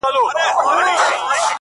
خو بیا به هم د شعر پر مطلب